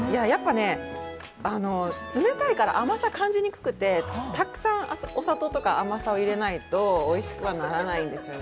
やっぱね、冷たいから甘さ感じにくくて、たくさん、お砂糖とか甘さを入れないと、おいしくはならないですよね。